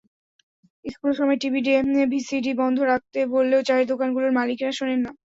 স্কুলের সময় টিভি-ভিসিডি বন্ধ রাখতে বললেও চায়ের দোকানগুলোর মালিকেরা শোনেন না।